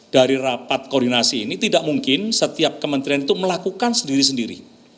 dari rapat koordinasi ini tidak mungkin setiap kementerian itu melakukan sendiri sendiri